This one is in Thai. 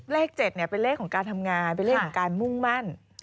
เลข๗เป็นเลขของการทำงานเป็นเลขของการมุ่งมั่น